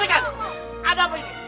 ini kan ada apa ini